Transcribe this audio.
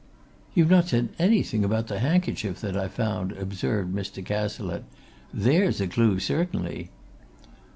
"You've not said anything about the handkerchief that I found," observed Mr. Cazalette. "There's a clue, surely!"